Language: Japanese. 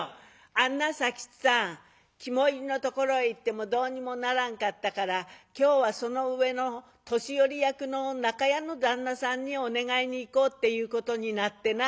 「あんな佐吉さん肝煎りのところへ行ってもどうにもならんかったから今日はその上の年寄役の中屋の旦那さんにお願いに行こうっていうことになってな」。